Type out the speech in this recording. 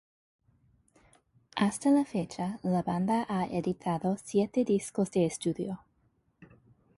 Hasta la fecha, la banda ha editado siete discos de estudio.